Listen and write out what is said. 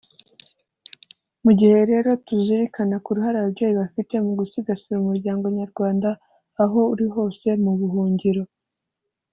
Mu gihe rero tuzirikana ku ruhare ababyeyi bafite mu gusigasira umuryango nyarwanda aho uri hose mu buhungiro